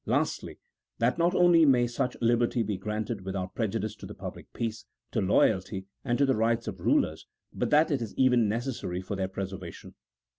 Lastly, that not only may such liberty be granted without preju dice to the public peace, to loyalty, and to the rights of rulers, but that it is even necessary for their preservation.